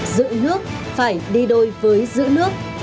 giữ nước phải đi đôi với giữ nước